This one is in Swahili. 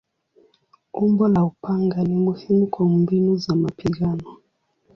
Umbo la upanga ni muhimu kwa mbinu za mapigano.